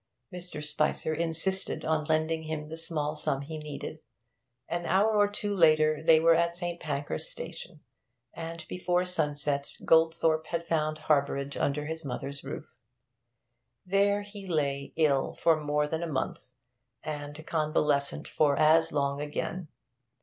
Mr. Spicer insisted on lending him the small sum he needed. An hour or two later they were at St. Pancras Station, and before sunset Goldthorpe had found harbourage under his mother's roof. There he lay ill for more than a month, and convalescent for as long again.